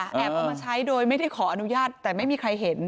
เอามาใช้โดยไม่ได้ขออนุญาตแต่ไม่มีใครเห็น